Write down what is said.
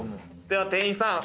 では店員さん。